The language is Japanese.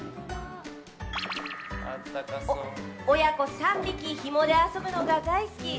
親子３匹、ひもで遊ぶのが大好き。